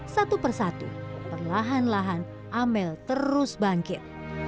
satu persatu perlahan lahan amel terus bangkit